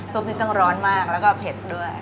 นี้ต้องร้อนมากแล้วก็เผ็ดด้วย